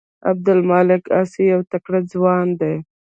عبدالمالک عاصي یو تکړه ځوان دی.